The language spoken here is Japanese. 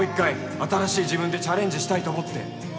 新しい自分でチャレンジしたいと思って